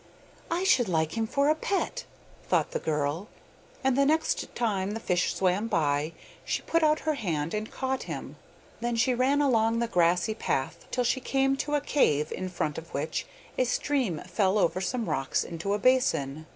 'I should like him for a pet,' thought the girl, and the next time the fish swam by, she put out her hand and caught him. Then she ran along the grassy path till she came to a cave in front of which a stream fell over some rocks into a basin.